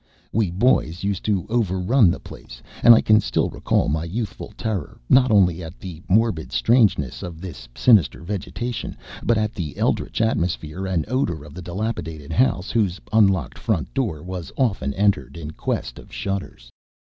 We boys used to overrun the place, and I can still recall my youthful terror not only at the morbid strangeness of this sinister vegetation, but at the eldritch atmosphere and odor of the dilapidated house, whose unlocked front door was often entered in quest of shudders.